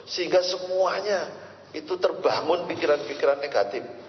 sehingga semuanya itu terbangun pikiran pikiran negatif